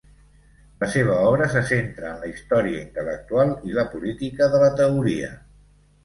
La seva obra se centra en la història intel·lectual i la política de la teoria.